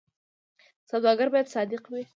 سوداګر باید صادق وي